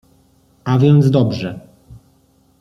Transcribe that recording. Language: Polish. — A więc dobrze.